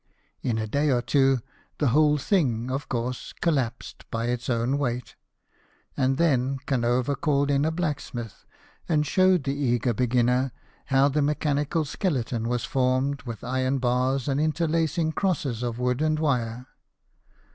In a day or two the whole thing, of course, collapsed by its own weight ; and then Canova called in a black smith and showed the eager beginner how the mechanical skeleton was formed with iron bars, and interlacing crosses of wood and wire.